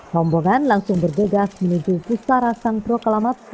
rombongan langsung bergegas menuju pusara sang pro kalamat